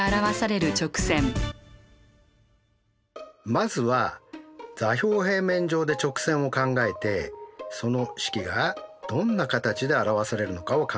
まずは座標平面上で直線を考えてその式がどんな形で表されるのかを考えていこうと思います。